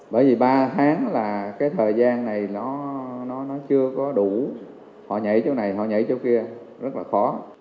bởi vì ba tháng là cái thời gian này nó chưa có đủ họ nhảy chỗ này họ nhảy chỗ kia rất là khó